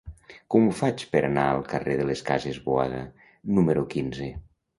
Com ho faig per anar al carrer de les Cases Boada número quinze?